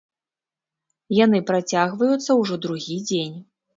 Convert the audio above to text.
Яны працягваюцца ўжо другі дзень.